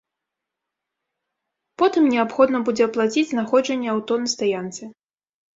Потым неабходна будзе аплаціць знаходжанне аўто на стаянцы.